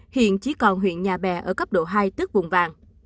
hiện chỉ còn huyện nhà bè ở cấp độ hai tức vùng vàng